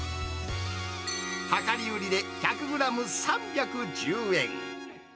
量り売りで１００グラム３１０円。